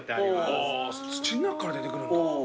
土ん中から出てくるんだ。